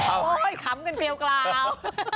โอ๊ยขำกันเปรียวกล่าว